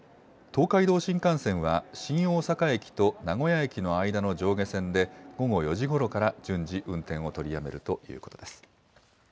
東海道新幹線は、新大阪駅と名古屋駅の間の上下線で、午後４時ごろから順次運転を取りやめるということです。